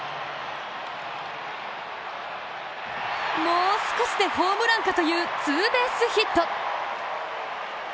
もう少しでホームランかというツーベースヒット。